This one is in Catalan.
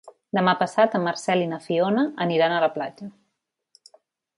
Demà passat en Marcel i na Fiona aniran a la platja.